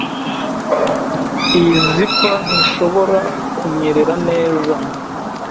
Iyi zipper ntishobora kunyerera neza.